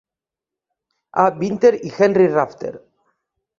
A. Vinter i Henry Rafter.